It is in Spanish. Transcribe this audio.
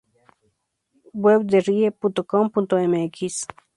Web de riie.com.mx